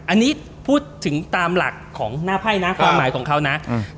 อันนี้พูดถึงตามหลักของหน้าไพ่นะความหมายของเขานะอืม